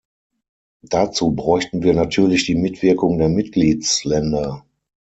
Dazu bräuchten wir natürlich die Mitwirkung der Mitgliedsländer.